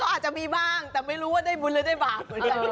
ก็อาจจะมีบ้างแต่ไม่รู้ว่าได้บุญหรือได้บาง